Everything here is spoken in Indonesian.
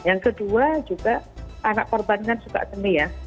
yang kedua juga anak korban kan suka seni ya